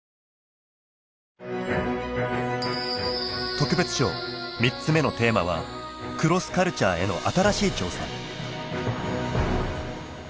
特別賞３つ目のテーマは「クロスカルチャーへの新しい挑戦」。